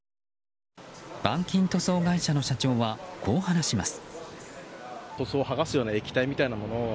板金塗装会社の社長はこう話します。